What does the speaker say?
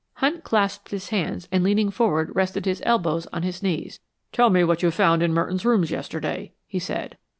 Hunt clasped his hands and leaning forward rested his elbows on his knees. "Tell me what you found in Merton's rooms yesterday," he said.